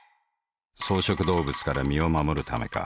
草食動物から身を護るためか。